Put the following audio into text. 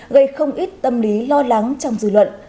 gây không ít tâm lý lo lắng trong dư luận